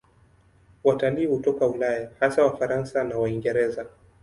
Watalii hutoka Ulaya, hasa Wafaransa na Waingereza.